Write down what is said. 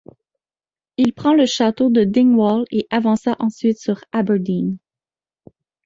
Il prend le château de Dingwall et avança ensuite sur Aberdeen.